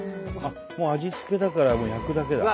もう味付きだから焼くだけだ。